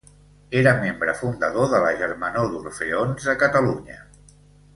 Era membre fundador de la Germanor d'Orfeons de Catalunya.